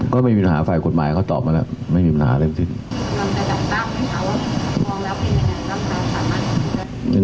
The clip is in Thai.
ก็ไม่มีปัญหาฝ่ายกฎหมายเขาตอบมาแล้วไม่มีปัญหาอะไรทั้งสิ้น